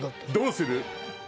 どうする？